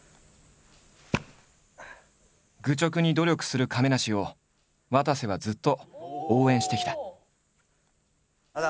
愚直に努力する亀梨をわたせはずっと応援してきた。